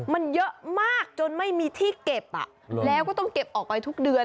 มันเยอะมากจนไม่มีที่เก็บแล้วก็ต้องเก็บออกไปทุกเดือน